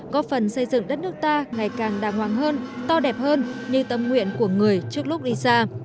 góp phần xây dựng đất nước ta ngày càng đàng hoàng hơn to đẹp hơn như tâm nguyện của người trước lúc đi xa